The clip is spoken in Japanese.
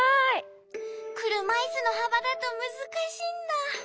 くるまいすのはばだとむずかしいんだ。